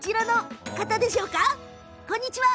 こんにちは！